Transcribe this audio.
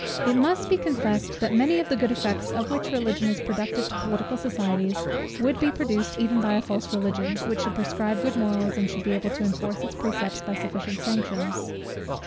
It must be confessed, that many of the good effects, of which Religion is productive to political societies, would be produced even by a false Religion, which should prescribe good morals, and should be able to enforce its precepts by sufficient sanctions.